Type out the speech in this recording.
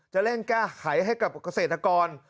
จะเร่งแก้ไขให้กับเกษตรกร